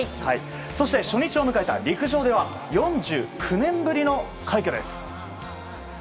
そして初日を迎えた陸上では４９年ぶりの快挙です。